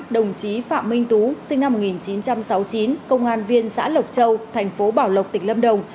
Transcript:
đồng chí phạm minh tú sinh năm một nghìn chín trăm sáu mươi chín công an viên xã lộc châu thành phố bảo lộc tỉnh lâm đồng